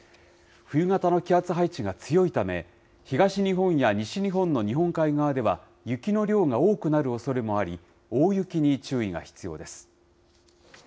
冬型の気圧配置が強いため、東日本や西日本の日本海側では、雪の量が多くなるおそれもあり、大雪に注意が必要です。